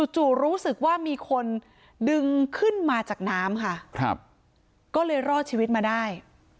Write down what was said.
จู่รู้สึกว่ามีคนดึงขึ้นมาจากน้ำค่ะก็เลยรอดชีวิตมาได้